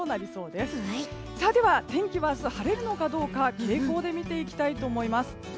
では天気は明日、晴れるのかどうか傾向で見ていきます。